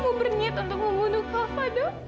kamu berniat untuk membunuh kaka dok